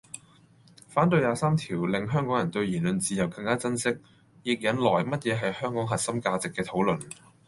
反對廿三條令香港人對言論自由更加珍惜，亦引來乜嘢係香港核心價值嘅討論